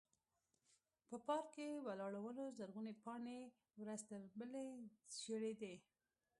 په پارک کې ولاړو ونو زرغونې پاڼې ورځ تر بلې ژړېدې.